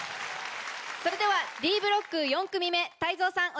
それではＤブロック４組目泰造さん